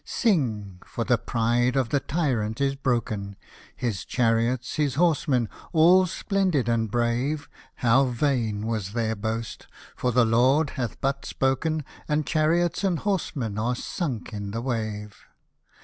Sing — for the pride of the Tyrant is broken, His chariots, his horsemen, all splendid and brave — How vain was their boast, for the Lord hath but spoken, And chariots and horsemen are sunk in the wave.